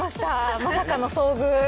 まさかの遭遇。